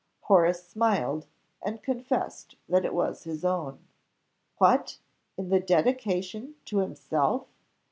Horace smiled, and confessed that was his own. What! in the dedication to himself?